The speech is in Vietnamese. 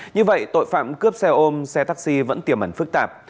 như vậy tội phạm cướp xe ôm xe taxi vẫn tiềm ẩn phức tạp